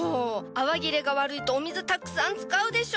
泡切れが悪いとお水たくさん使うでしょ！？